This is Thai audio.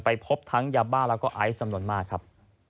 ไปพบทั้งยาบ้าและไอซ์สำนวนมากครับ